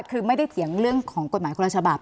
คือไม่ได้เถียงเรื่องของกฎหมายคนละฉบับ